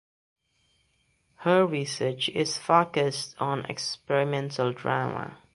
Her research is focused on Experimental Drama.